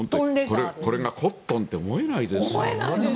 これがコットンとは思えないですよね。